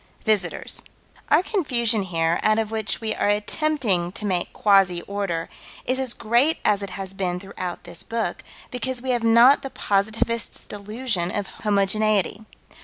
Visitors. Our confusion here, out of which we are attempting to make quasi order, is as great as it has been throughout this book, because we have not the positivist's delusion of homogeneity.